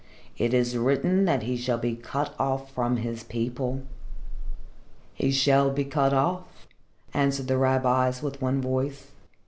It is written that he shall be cut off from his people." "He shall be cut off," answered the rabbis with one voice.